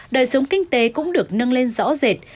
đời sống kinh tế cũng được nâng lên rõ rệt